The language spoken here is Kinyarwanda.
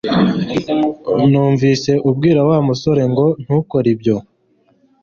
Numvise ubwira Wa musore ngo ntukore ibyo